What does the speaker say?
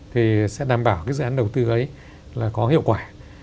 thì sẽ đảm bảo cái dự án đầu tư ấy là có hiệu quả